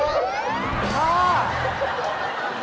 พอเถอะ